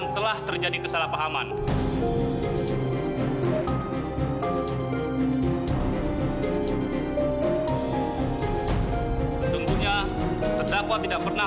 terdakwa dinyatakan bebas